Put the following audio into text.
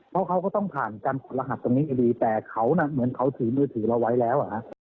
เพราะเขาก็ต้องผ่านการผ่านรหัสตรงนี้ก็ดีแต่เขาเหมือนเขาถือมือถือเราไว้แล้ว